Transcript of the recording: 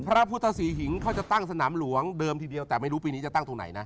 พระพุทธศรีหิงเขาจะตั้งสนามหลวงเดิมทีเดียวแต่ไม่รู้ปีนี้จะตั้งตรงไหนนะ